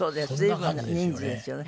随分な人数ですよね。